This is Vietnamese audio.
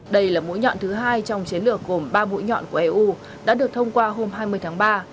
đây là mũi nhọn thứ hai trong chiến lược gồm ba mũi nhọn của eu đã được thông qua hôm hai mươi tháng ba